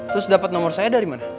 terus dapat nomor saya dari mana